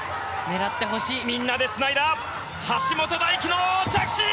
みんなでつないだ橋本大輝の着地！